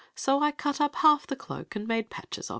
So I cut up h^f of the cloak and awfe patches k."